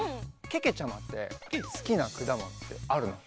けけちゃまってすきなくだものってあるの？